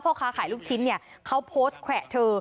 พ่อค้าขายลูกชิ้นเขาโพสต์แขวะเธอ